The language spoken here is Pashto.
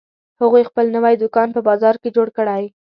هغوی خپل نوی دوکان په بازار کې جوړ کړی